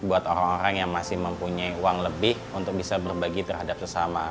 buat orang orang yang masih mempunyai uang lebih untuk bisa berbagi terhadap sesama